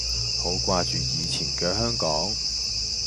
好掛住以前嘅香港